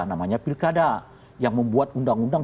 namanya pilkada yang membuat undang undang